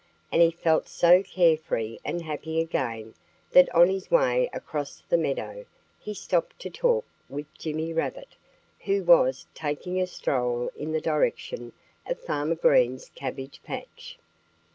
And he felt so carefree and happy again that on his way across the meadow he stopped to talk with Jimmy Rabbit, who was taking a stroll in the direction of Farmer Green's cabbage patch.